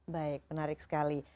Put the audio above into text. baik menarik sekali